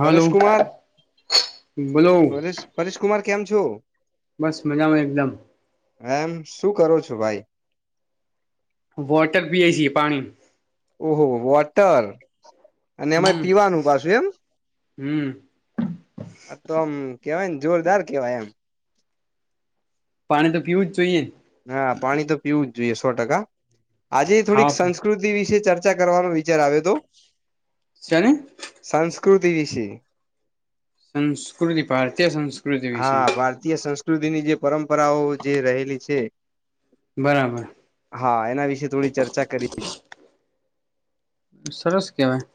Hello Paresh Kumar બોલો પરેશ પરેશ કુમાર. કેમ છો? બસ મજામાં એકદમ. એમ શું કરો છો ભાઈ? વોટર પીએ છીએ પાણી ઓહો વોટર અને હમ એમાં પીવાનું પાછું એમ હમ આ તો આમ કેવાય ને જોરદાર કેવાય એમ પાણી તો પીવું જ જોઈએ. હા પાણી તો પીવું જ જોઈએ સો ટકા આજે થોડીક ખાવા સંસ્કૃતિ વિશે ચર્ચા ચર્ચા કરવાનો વિચાર આવયો તો છેને સાસ કૃતિ વિશે સંસ્કૃતિ ભારતીય સંસ્ હા ભારતીય સંસ્કૃતિની જે પરંપરાઓ જે રહેલી છે. બરાબર. હા એના વિશે થોડી ચર્ચા કરી. સરસ કેવાય.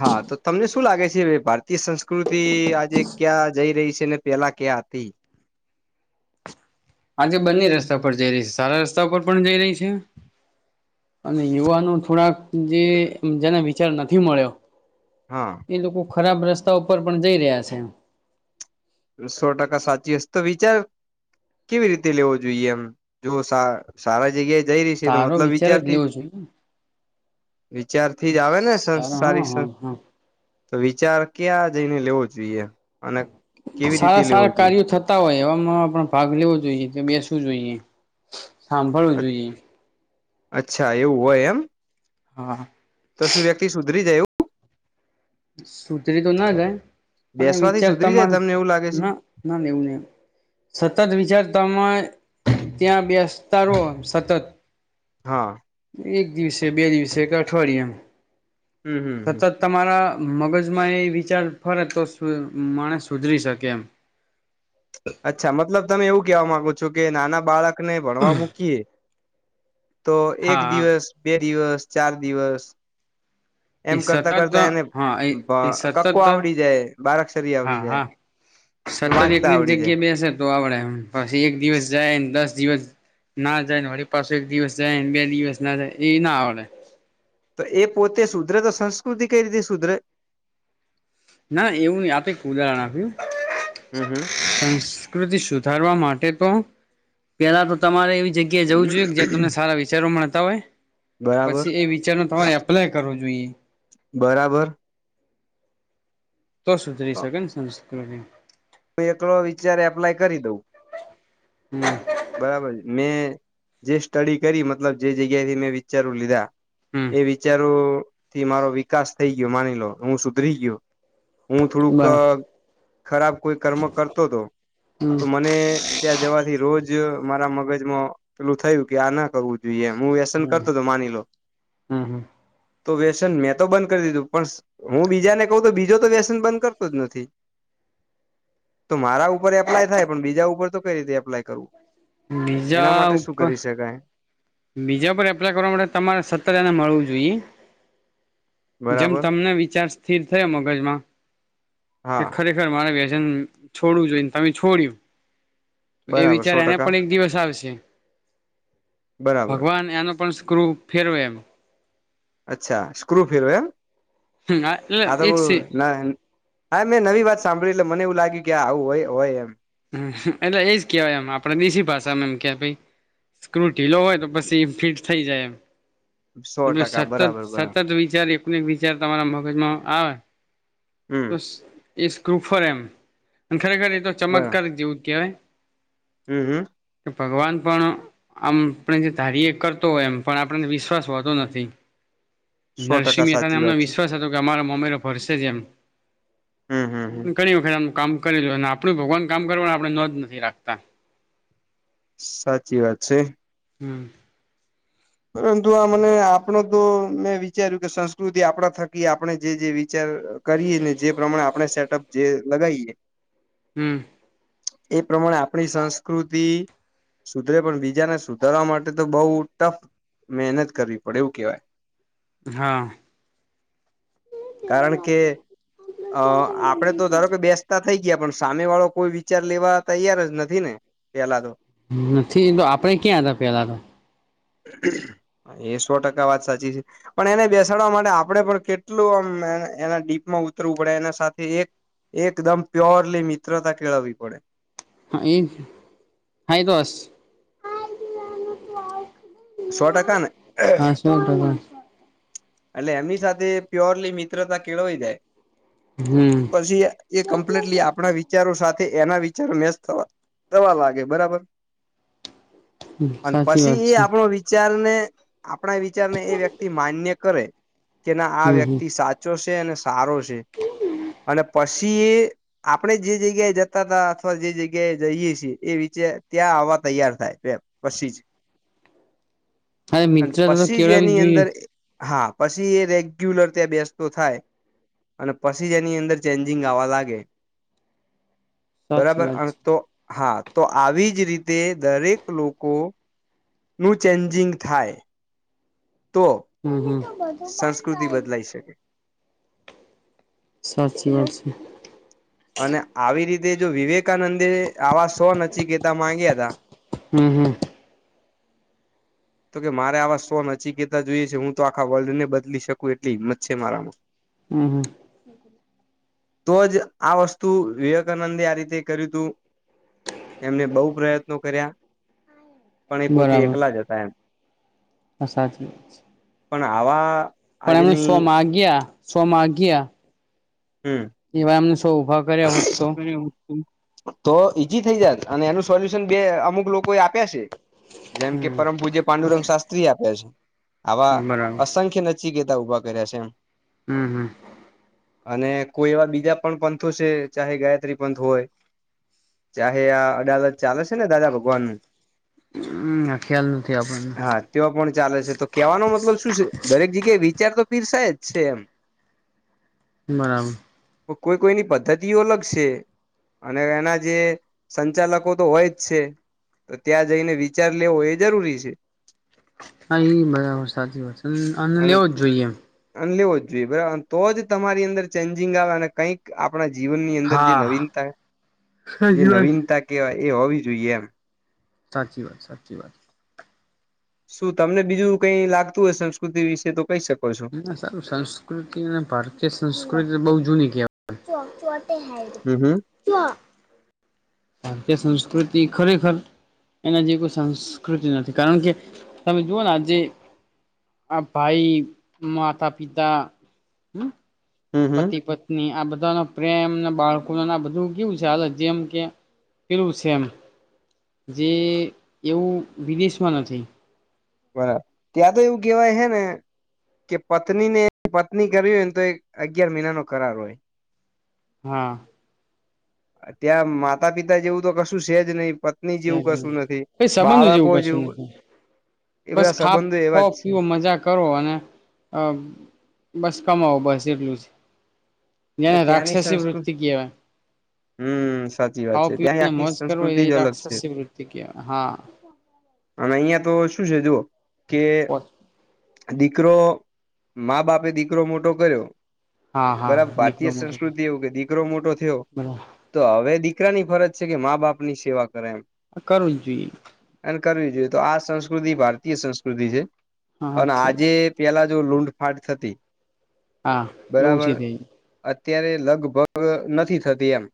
હા તો તમને શું લાગે છે ભારતીય સંસ્કૃતિ આજે ક્યાં જઈ રહી છે ને પેલા ક્યાં ક્યાં હતી? [inaudible] આજે બંને રસ્તા પર જઈ રહી છે સારા રસ્તા પર પણ જઈ રહી છે. અને યુવાનો થોડાક જે જેના વિચાર નથી મળ્યો એ હા લોકો ખરાબ રસ્તા ઉપર પણ જઈ રહ્યા છે. સો ટકા સાચી અસ તો વિચાર કેવી રીતે લેવો જોઈએ એમ જો સાર સારા જગ્યાએ જઈ રહી છે એનો સારો મતલબ વિચાર જ વિચારથી લેવો જોઈએ વિચાર થી જ આવે ને સારો હા સંસારી હા સં હા તો વિચાર ક્યાં જઈને લેવો જોઈએ અને કેવી રીતે સારા લેવો સારા જોઈએ કાર્યો થતા હોય એવામાં પણ ભાગ લેવો જોઈએ કે બેસવું જોઈએ. સાંભળવું જોઈએ. અચ્છા એવું હોય એમ હા. તો શું વ્યક્તિ સુધરી જાય એવું. સુધરી તો ના જાય. પણ એ બેસવાથી વિચાર સુધરી જાય તમારે તમને એવું લાગે છે ના ના લેવુંને. સતત વિચારતામાં ત્યાં બેસતા રહો સતત હા. એક દિવસે બે દિવસે એક અઠવાડિયે એમ હમ હમ સતત હમ તમારા મગજમાં એ વિચાર ફરે તો માણસ સુધરી શકે એમ અચ્છા મતલબ તમે એવું કેવા માંગો છો કે નાના બાળકને ભણવા મૂકીએ તો એક હા હા દિવસ બે દિવસ ચાર દિવસ [inaudible] એ એમ કરતા સતત કરતા એને હા એ ભ એ કક્કો સતત આવડી જાય બારાક્ષરી આવડી હા જાય હા સતર વાંચતા એકનીક આવડી જાય જગ્યા બેસે તો આવડે એમ પછી એક દિવસ જાયને દસ દિવસ ના જાયને વળ પાછો એક દિવસ જાય બે દિવસ ના જાય એ ના આવડે તો એ પોતે સુધરે તો સંસ્કૃતિ કઈ રીતે સુધરે ના એવું નહી આપે ઉદાહરણ આપ્યું સંસ્કૃતિ સુધારવા માટે તો પેલા તો તમારે એવી જગ્યા જવું જોઈએ કે જ્યાં તમને સારા વિચારો મળતા હોય બરાબર પછી એ વિચાર ન તમારે એપ્લાય કરવો જોઈએ બરાબર તો સુધરી શકે ને સંસ્કૃતિ હું એકલો વિચારે એપ્લાય કરી દઉં હમ બરાબર મેં જે સ્ટડી કરી મતલબ જે જગ્યાથી મે વિચારો લીધા હમ એ વિચારો થી મારો વિકાસ થઈ ગયો માની લો હું સુધરી ગ્યો હું થોડુંક બરા ખરાબ કોઈ કર્મ કરતો હતો હમ તો મને ત્યાં જવાથી રોજ મારા મગજમાં પેલુ થયુ કે આ ના કરવું જોઈએ હું વ્યસન હમ કરતો હતો માની લો હમ હમ તો વ્યસન મેં તો બંધ કરી દીધું પણ હું બીજાને કહું તો બીજો તો વ્યસન બંધ કરતો જ નથી [inaudible] તો મારા ઉપર એપ્લાય થાય પણ બીજા ઉપર તો કઈ રીતે એપ્લાય કરવું એના બીજા માટે શું ઉપર કરી શકાય બીજા પર એપ્લાય કરવા માટે તમારે સતત એને મળવુ જોઈ જેમ બરાબર તમને વિચાર સ્થિર થયો મગજમાં કે હા ખરેખર મારે વ્યસ ન છોડવુ જોઈને તમે છોડ્યું એ બરાબર સો વિચાર એને ટકા પણ એક દિવસ આવશે બરાબર ભગવાન એનો પણ સ ક્રુ ફેરવે એમ અચ્છા સ્ક્રુ ફિરવે એમ એટલે હા તો બ એજ હા મેં નવી વાત સાંભળ એટલે મને એવુ લાગે કે આવુ હોય હોય એમ હ એટલે એજ કેવાય એમ આપણે દેશી ભાષામા એમ કે ભાઈ સ્ક્રુ ઢીલો હોય તો પછી એ ફિટ થઈ જાય સો એમ ટકા સતત બરાબર બરાબર સતત વિચારી એક વિચાર તમારા મગજમા આવે હમ તો સ એ સ ક્રૂ ફરે એમ અને ખરેખર એ તો ચમક બરાબર કેવાય હમ હમ ભગવાન પણ આમ આપણે જે ધારીએ કરતો હોય એમ પણ આપડાને વિશ્વાસ હોતો નથી સો ટકા નરસિંહ મહેતાને સાચી એમનો વાત છે વિશ્વાસ હતો કે અમારો મોમેરો ભરસે જ એમ હમ હમ હમ ઘણી વખત આમ કામ કરેલુ અને આપડુ ભગવાન કામ કરવાની આપણે નોંધ નથી રાખતા સાચી વાત છે હમ પરંતુ આ મને આપડો તો મેં વિચાર્યું કે સંસ્કૃતિ આપણા થકી આપણે જે જે વિચાર કરી ને જે પ્રમાણે આપણે સેટઅપ જે લગાઈએ હું એ પ્રમાણે આપણી સંસ્કૃતિ સુધરે પણ બીજાને સુધારવા માટે તો બહુ ટફ મહેનત કરવી પડે એવું કેહેવાય. હા. કારણ કે અ આપડે તો ધારો કે બેસતા થઈ. ગયા પણ સામે વાળો કોઈ વિચાર લેવા તૈયાર જ નથી ને પેલા તો. નથી એ તો આપડે ક્યાં હતા પેલા તો. એ સો ટકા વાત સાચી છે પણ એને બેસાડવા માટે આપડે પણ કેટલું આમ એના ડીપમાં ઉતરવું પડે એના સાથે એક એકદમ પ્યોરલી મિત્રતા કેળવવી પડે. હા એ હાાઈ દસ સો ટકાને. એટલે એમની સાથે પ્યોરલી મિત્રતા કેળઈ જાય. હમ પછી એ કમ્પ્લીટલી આપણા વિચારો સાથે. એના વિચાર મેસ થ થવા લાગે બરાબર. અને સાચી પછી વાત એ છે આપણો વિચાર. આપણા વિચાર ને એ વ્યક્તિ માન્ય કરે કે ના આ હમ હમ. વ્યક્તિ સાચો. સારો છે અને પ પછી એ આપણે જે જગ્યાએ જતા હતા અથવા જે જગ્યાએ જઈએ છીએ એ વિચ ત્યાં વા તૈયાર થાય પછી જ [inaudible] હારે અને મિત્ર તો તો પછી જ કેળ બી એની જોઈએ. અંદર હા પછી એ રેગ્યુલર ત્યાં બેસતો થાય. અને પછી જ એની અંદર ચેન્જિંગ આવવા લાગે. સાચી બરાબર વાત અને છે તો. હા તો આવી જ રીતે દરેક લોકો. નું ચેન્જિંગ થાય. તો હમ હમ બધો ટાઈમ સંસ્કૃતિ જાઈ. બદલાઈ શકે સાચી વાત છ અને આવી રીતે જો વિવેક વિવેકાનંદે આવા સો નચ ગેતા માંગ્યા હતા. હમ હમ તો કે મારે આવા સ્ટોન અચી કતા જોઈએ છે હું તો આખા વર્લ્ડ ને બદલી શકું એટલી હિંમત છે મારામાં હમ હમ તો જ આ વસ્તુ વિવેકાનંદે આ રીતે કર્યું હતું. એમને બહુ પ્રયત્નો કર્યા. પણ એ પોતે એકલા જ હતા એમ હશાચી છે પણ આવા પણ એમણે આજની શો ગ્યા શો ગ્યા. હમ. કર્યા હોત તો તો ઈજી થઇ જાત અને એનું સોલ્યુશન બે અમુક લોકો એ આપ્યા છે. જેમ કે હમ પરમભુજે પાંડુરંગ શાસ્ત્રી આપ્યા છે. આવા બરાબર અસંખ્ય નચી ગતા ઉઊભા કર્યા છે એમ હમ હમ અને કોઈ એવા બીજા પણ પંથો છે ચાહે ગાયત્રી પંથ હોય. ચાહે આ અદાલત ચાલે છે ને દાદા ભગવાન. હમ આખ્યા હા તેઓ પણ ચાલે છે તો કેવાનો મતલબ શું છે દરેક જગ્યાએ. અતાર તો પીરસાય જ છે એમ. બરાબર. કોઈ કોઈની પદ્ધતિઓ અલગ શે. અને એના જે સંચાલકો તો હોય જ છે. ત્યાં જઈને વિચાર લેવો એ જરૂરી છે. હા એ બરાબર સાચી વાત છે અને લેવો જ જોઈએ એમ. અને લેવો જ બરાબર તો જ તમારી અંદર ચેન્જિંગ આવે અને કંઈક આપ પણા જીવનની અંદર જે હા નવીનતા જે સાચી વાત નવીનતા કેહેવાય એ હોવી જોઈએ એમ. સાચી વાત સાચી વાત. શું તમને બીજું કઈ લાગતું હોય સંસ્કૃતિ વિશે તો કઈ શક ના સારું સંસ્કૃતિ અને ભારતીય સંસ્કૃતિ બવ જૂની કહેવાય. હમ હમ ભારતી સંસ્કૃતિ ખરેખર એના જેવી કોઈ સંસ્કૃતિ નથી. કારણ કે તમે જુઓને આજે આ ભાઈ, માતા, પિતા. હમ્મ. હમ હમ પતિ, પત્ની આ બધ બધાનો પ્રેમને બાળકો બધું કેવું છે જેમ કે પીલું છે એમ. જે એવું વિદેશમાં નથી. બરાબર ત્યાં તો એવું કેવાય હે ને કે પત્નીને પત્ની કરવી હોય ને તો એ અગિયાર મહિનાનો કરાર હોય. હા. ત્યાં માતા પિતા જેવું તો કશું છે જ નહી. પત્ની છે જેવું જ કશું નહી નથી કઈ સંબંધો બાળકો કશું જેવું નથી એ બસ બધા ખા સંબંધો ખઓ, એવા જ છે પીવો, મજા કરો અને અ બસ કમાવ બસ એટલું જ. ન્યા રાક્ષસી વૃતિ કહેવાય. હમ્મ, સાચી વાત છે ત્યાં આખી સંસ્કૃતિ જ અલગ છે. શી વૃતિ કેવા હા. અને અહિયા તો શું છે જુઓ કે દીકરો મા બાપે દીકરો મોટો કર્યો હા હા. બરાબર ભારતીય દીકરો મોટો સંસ્કૃતિ એવું કે દીકરો મોટો થયો બરાબર તો હવે દી દીકરાની ફરજ છે કે મા બાપ ની સેવા કરે એમ. કરું જોઈએ. અને કરવી જોઈએ. તો આ સંસ્કૃતિ ભારતીય સંસ્કૃતિ છે હા અને છે આજે પેલા જો લૂંડ ફાટ થતી હા એવું બરાબર છે તઈ. અત્યારે લગભગ નથી થતી એમ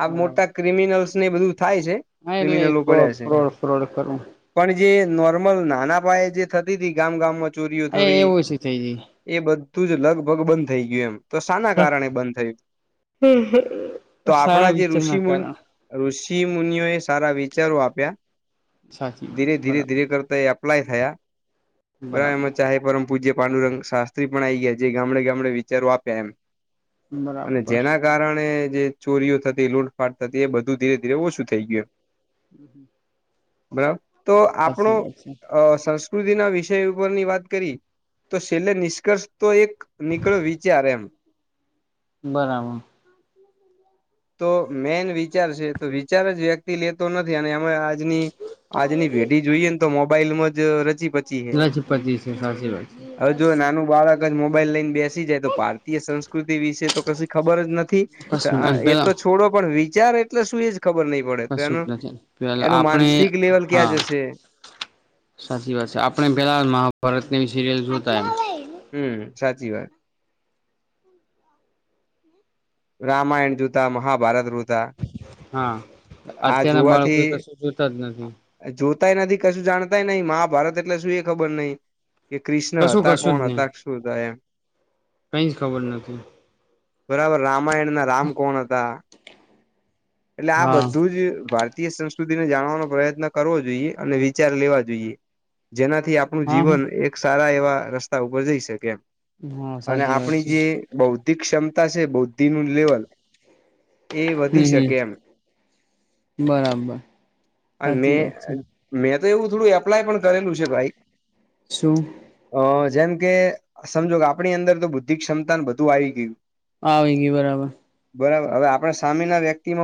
આ બરાબર મોટા ક્રિમિનલ્સ ને બધું થાય છે હા એટલે ક્રિમિનલો ફ્રોડ પડ્યા છે. ફ્રોડ ફ્રોડ કરવું કારણ જે નોર્મલ નાના પાયે જે થતી હતી ગામ ગામમાં ચોરીઓ એ થવી એવું છે થઈ એ બધ ધુ જ લગભગ બંધ થઈ ગયું એમ. તો સાના જાય કારણે બંધ થઈ ગયું? તો સારા આપણા જે વિચારના ઋષિમુન કારણ ઋષિ ચી મુનિઓ એ સારા વિચારો આપ્યા. સાચી વાત ધીરે છે ધીરે બરાબર ધીરે કરતા એ એપ્લાય થયા. બરાબર એમાં ચાહે પરમ પૂજ્ય પાંડુરંગ શાસ્ત્રી પણ આ આવી ગયા જે ગામડે ગામડે વિચારો આપ ડે એમ અને બરાબર જેના કારણે જે ચોરીઓ થતી લૂટફાટ થતી એ બધું ધીરે ધીરે ઓછું થઈ ગયું. બરાબર તો સાચી આપણું વાત છે અ સં પ્રકૃતિના વિષય ઉપરની વાત કરી તો શેલ્લે નિષ્કર્ષ તો એક નીકળ વિ ત્યારે એમ. બરાબર. તો મેન વિચાર છે તો વિચાર જ વ્યક્તિ લેતો નથી અને મે આજની આજની ભેઢી જોઈએ ને તો મોબાઈલમાં જ રચી પચી હે. રજપતિ છે સાચી વાત હવે જો છે નાનું બાળક જ મોબાઈલ લઈને બેસી જાય તો ભારતીય સંસ્કૃતિ વિશે તો કશી ખબર જ નથી. કશું અ અને એ પેલા તો છોડો પણ ચાર એટલે શું એ ખબર નહી પડે તો કશું એનું જ નથી પેલા એનું આપણે માનસિક લેવલ ક્યાં હા જશે સાચી વાત છે આપણે પેલા મહાભારતની સિરિયલ જોતા એમ હમ સાચી વાત રામાયણ જોતા મહાભારત જોતા હા જોતા આ અત્યારના જોવાથી બાળકો કશું જોતા જ આ નથી જોતા નથી કશું જાણતાય નહિ મહાભારત એટલે શું એ ખબર નહિ કે કૃષ્ણ કશું હતા કશું જ કોણ હતા નહી શું હતા એમ કઈ જ ખબર નથી બરાબર રામાયણ ના રામ કોણ હતા એટલે આ હા બધું જ ભારતીય ભારતીય સંસ્કૃતિને જાણવાનો પ્રયત્ન કરવો જોઈએ અને વિચાર લેવા જોઈએ જેનાથી આપણું હા હા જીવન એક સારા એવા રસ્તા ઉપર જઈ શકે એમ હા અને સાચી વાત આપણી છે જે બૌધિક બૌદ્ધિક ક્ષમતા છે બૌદ્ધિ નું લેવલ એ હમ વધી શકે હમ કેમ બરાબર અને સાચી મે વાત છે મેતો તો એવું થોડું એપ્લાય પણ કરેલું છે ભાઈ શું અ જેમ કે સમજો કે આપણી અંદર તો બુદ્ધિ ક્ષમતા બધું આવી ગયું આવ ગઈ બરાબર બરાબર હવે આપણા સામેના વ્યક્તિ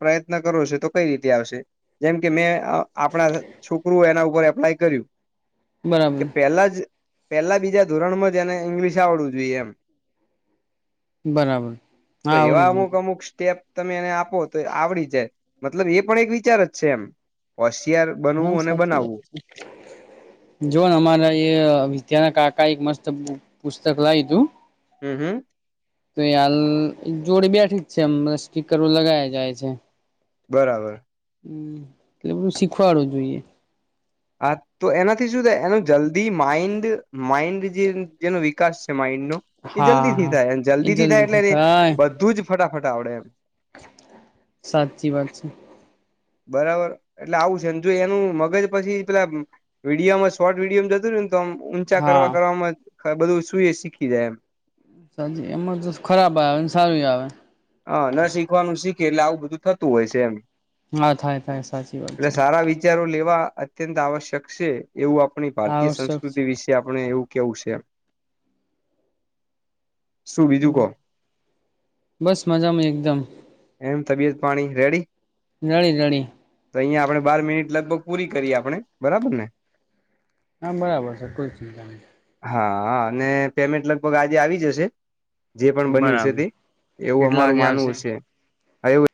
પ્રયત્ન કરો છો તો કઈ રીતે આવશે જેમ કે મેં આપણા છોકરુ એના ઉપર એપ્લાય કર્યું બરાબર કે પેલા જ પેલા બીજા ધોરણમાં જ એને ઈંગ્લિશ આવડવું જોઈએ એમ બરાબર તો હા એવા આવડું અમુક જોઈએ અમુક સ્ટેપ તમે એને આપો તો આવડી જાય મતલબ એ પણ એક વિચાર જ છે એમ હા બનવું અને સાચી વાત બનાવવું છે જો અમારા એ વિચારના ક કંઈક એક મસ્ત પુસ્તક લ તું હમ હમ તો હાલ જોડી બેઠી જ છેમ બસકી કરવું લગાવયા જાય છે બરાબર હ એટલે બધું શીખવાડું જોઈએ હા તો એનાથી શું થાય એનો જલ્દી માઇન્ડ માઇન્ડ જે જેનો વિકાસ છે માઇન્ડ એ હા જલ્દી થી હા થાય એ જલ્દી થી થાય જલ્દીથી એટલે એ થાય બધું જ ફટાફટ આવડે એમ સાચી વાત છે બરાબર એટલે આવું છે ને જો એનું મગજ પછી પેલા વિડીયોમાં શોર્ટ વિડીયોમ જતુંય ને તો આમ ઊંચા હા કરવા કરવામાં બધું શું શીખી જાય એમ સાચી એમાં તો ખરાબ આવે સારું આવે હ ના શીખવાનું શીખે એટલે આવું બધું થતું હોય છે એમ હા થાય થાય સાચી વાત એટલે છે સારા વિચારો અત્યંત આવશ્યક છે એવું આપણી ભારતીય આવશ્યક સંસ્કૃતિ છે વિશે આપણે એવું કહેવું સે શું બીજું કહો બરાબર બસ મજામાં એકદમ એમ તબિયત પાણી રેડી રેડી રેડી તો અહિયાં આપડે બાર મિનિટ લગભગ પૂરી કરીએ આપણે બરાબર ને હા બરાબર છે કોઈ ચિંતા નહી. હા અને પેમેન્ટ લગભગ આજે આવી જશે જે પણ બન્યું છે બરાબર તે. એવુ કેટલા અમારું વાગે માનવું આવશે છે.